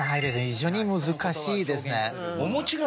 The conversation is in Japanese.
非常に難しいですね。